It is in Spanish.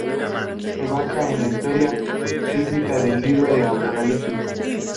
Se basa en la historia bíblica del Libro de Apocalipsis.